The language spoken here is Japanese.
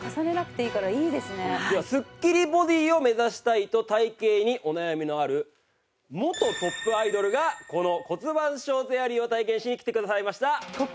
ではスッキリボディーを目指したいと体形にお悩みのある元トップアイドルがこの骨盤ショーツエアリーを体験しに来てくださいました。